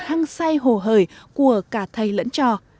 hăng say hồ hời của cả thầy lẫn trò